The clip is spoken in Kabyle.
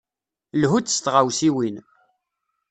Lhu-d s tɣawsiwin.